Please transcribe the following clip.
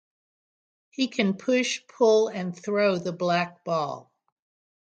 He can push, pull, and throw the black ball.